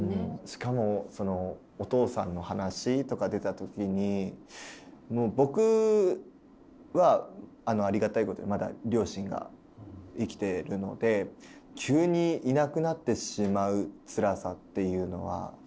しかもそのお父さんの話とか出た時に僕はありがたいことにまだ両親が生きてるので急にいなくなってしまうつらさっていうのはでも分かるんですよ。